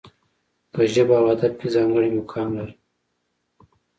په ژبه او ادب کې ځانګړی مقام لري.